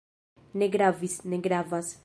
Ne gravis. Ne gravas.